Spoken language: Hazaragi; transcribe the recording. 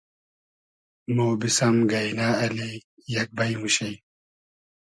مۉ بیسئم گݷنۂ اللی یئگ بݷ موشی